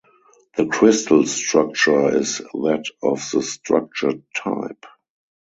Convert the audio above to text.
The crystal structure is that of the structure type.